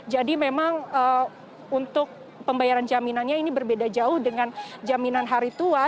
jadi memang untuk pembayaran jaminannya ini berbeda jauh dengan jaminan hari tua